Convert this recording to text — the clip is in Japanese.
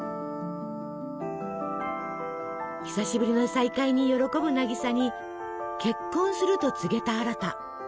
久しぶりの再会に喜ぶ渚に結婚すると告げたアラタ。